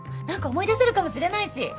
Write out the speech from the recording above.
何か思い出せるかもしれないし。